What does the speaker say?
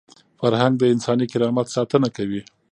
فرهنګ د انساني کرامت ساتنه کوي.